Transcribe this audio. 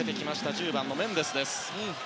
１０番のメンデスです。